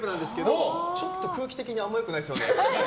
ちょっと空気的にあんまり良くないですよね。